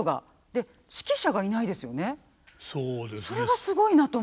それがすごいなと思って。